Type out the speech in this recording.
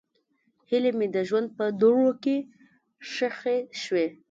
هیلې مې د ژوند په دوړو کې ښخې شوې.